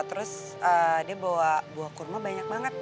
terus dia bawa buah kurma banyak banget